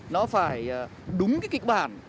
nó phải đúng cái kịch bản